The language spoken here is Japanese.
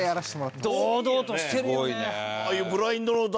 堂々としてるよね。